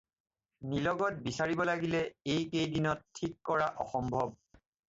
নিলগত বিচাৰিব লাগিলে এই কেই দিনত ঠিক কৰা অসম্ভব।